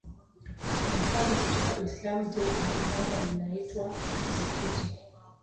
Kwa mfano katika Uislamu jengo la ibada linaitwa msikiti.